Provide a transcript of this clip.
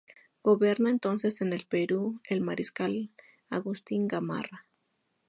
Gobernaba entonces en el Perú el mariscal Agustín Gamarra.